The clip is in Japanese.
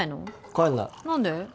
帰んない何で？